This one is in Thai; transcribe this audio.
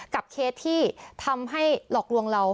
เคสที่ทำให้หลอกลวงเรา